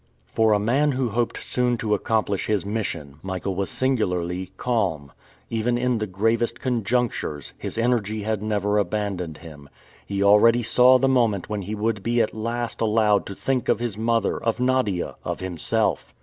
For a man who hoped soon to accomplish his mission, Michael was singularly calm. Even in the gravest conjunctures, his energy had never abandoned him. He already saw the moment when he would be at last allowed to think of his mother, of Nadia, of himself!